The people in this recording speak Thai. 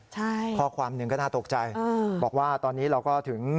ใช่ข้อความหนึ่งก็น่าตกใจบอกว่าตอนนี้เราก็ถึง